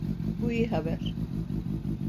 Bu iyi haber.